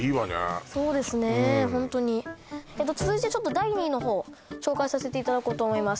ホントにうん続いてちょっと第２位のほう紹介させていただこうと思います